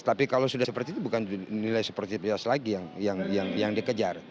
tapi kalau sudah seperti itu bukan nilai sportivitas lagi yang dikejar